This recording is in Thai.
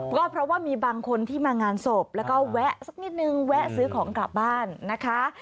ก็เพราะว่ามีบางคนที่มางานศพแล้วก็แวะสักนิดนึงแวะซื้อของกลับบ้านนะคะ